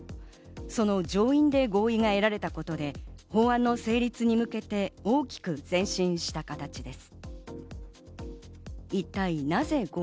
その上院で合意が得られたことで法案の成立に向けて大きく前進した形です。